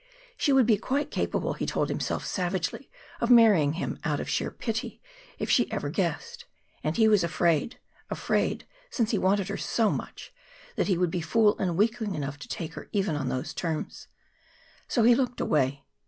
She would be quite capable, he told himself savagely, of marrying him out of sheer pity if she ever guessed. And he was afraid afraid, since he wanted her so much that he would be fool and weakling enough to take her even on those terms. So he looked away.